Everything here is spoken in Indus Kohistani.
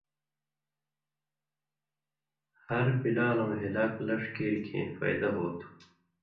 ہر بِلالؤں ہِلاک لݜ کیریۡ کھیں فائدہ ہوتُھو۔